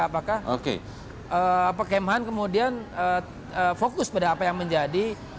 apakah kemhan kemudian fokus pada apa yang menjadi